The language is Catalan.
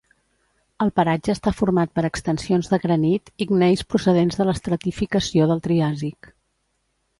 El paratge està format per extensions de granit i gneis procedents de l'estratificació del Triàsic.